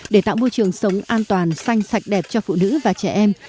để tạo môi trường sống an toàn xanh sạch đẹp cho phụ nữ và trẻ em